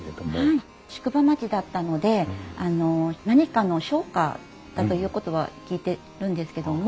はい宿場町だったので何かの商家だということは聞いてるんですけども。